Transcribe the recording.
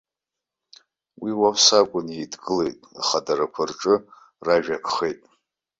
Уи ус акәын, еидгылеит, ахадарақәа рҿы ражәа акхеит.